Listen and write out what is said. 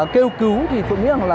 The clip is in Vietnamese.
kêu cứu thì tôi nghĩ là